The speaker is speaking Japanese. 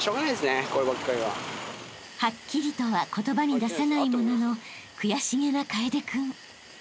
［はっきりとは言葉に出さないものの悔しげな楓君］